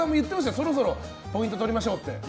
そろそろポイントとりましょうって。